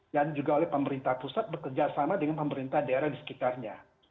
dan juga oleh pemerintah pusat bekerja sama dengan pemerintah daerah di sekitarnya